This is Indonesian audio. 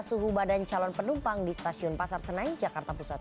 suhu badan calon penumpang di stasiun pasar senen jakarta pusat